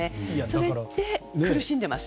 それで苦しんでいます。